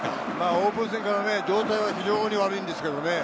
オープン戦から状態は非常に悪いんですけどね。